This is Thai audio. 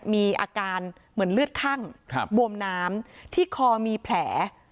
มีอาการเหมือนเลือดคั่งบวมน้ำที่คอมีแผล